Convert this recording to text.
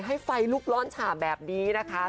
ให้ไฟลุกร้อนฉ่าแบบนี้นะคะ